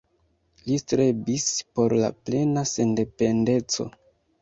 Li strebis por la plena sendependeco.